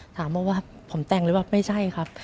ถามว่าผมแต่งหรือเปล่าไม่ใช่ครับ